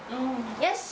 よし！